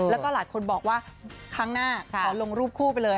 แล้วก็หลายคนบอกว่าครั้งหน้าขอลงรูปคู่ไปเลย